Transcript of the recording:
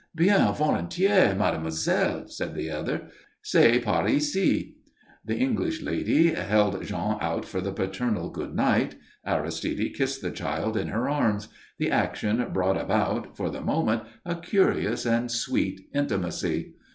"Bien volontiers, mademoiselle," said the other. "C'est par ici." The English lady held Jean out for the paternal good night. Aristide kissed the child in her arms. The action brought about, for the moment, a curious and sweet intimacy.